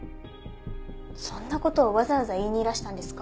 そんな事をわざわざ言いにいらしたんですか？